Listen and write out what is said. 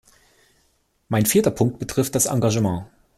Mein vierter Punkt betrifft das Engagement.